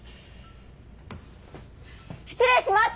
失礼します！